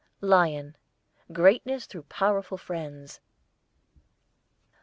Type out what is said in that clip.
LION, greatness through powerful friends.